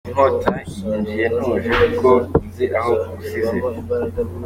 Inkota inyinjiye ntuje ; kuko nzi aho ngusize.